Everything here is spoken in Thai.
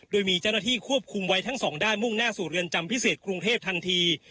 โดยมีเจ้าหน้าที่ควบคุมไว้ทั้งสองด้านมุ่งหน้าสู่เรือนจำพิเศษกรุงเทพทันที